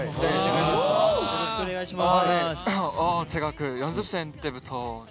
よろしくお願いします。